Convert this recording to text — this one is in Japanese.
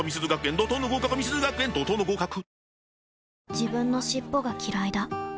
自分の尻尾がきらいだ